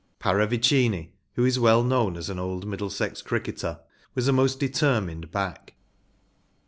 ‚ÄĚ Paravicmi, who is well known as an old Middlesex cricketer, was a most deter¬ mined back.